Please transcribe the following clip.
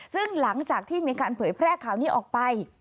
ซึ่งหลังจากที่มีการเผยแพร่ข่าวนี้ออกไป